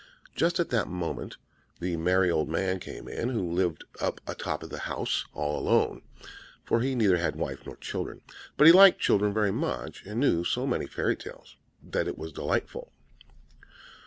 Just at that moment the merry old man came in who lived up a top of the house all alone; for he had neither wife nor children but he liked children very much, and knew so many fairy tales, that it was quite delightful.